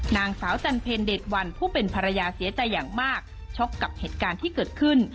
นางสาวจันเพลเดชวันผู้เป็นภรรยาเสียใจอย่างมากช็อกกับเหตุการณ์ที่เกิดขึ้น